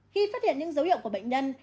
khi phát hiện những dấu hiệu của bệnh nhân